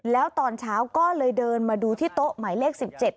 แล้วตอนเช้าก็เลยเดินมาดูที่โต๊ะหมายเลข๑๗